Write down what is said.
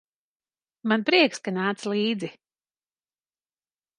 Man prieks, ka nāc līdzi.